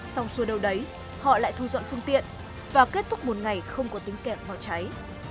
xong xua đâu đấy họ lại thu dọn phương tiện và kết thúc một ngày không có tính kẹm vào cháy